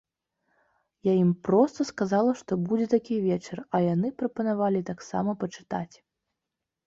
Я ім проста сказала, што будзе такі вечар, а яны прапанавалі таксама пачытаць.